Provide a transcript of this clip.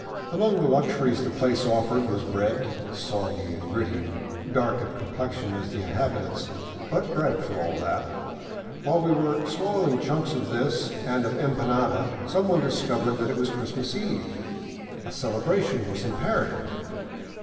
Among the luxuries the place offered was bread, soggy and gritty, dark of complexion as the inhabitants, but bread for all that. While we were swallowing chunks of this and of empanada, some one discovered that it was Christmas Eve. A celebration was imperative.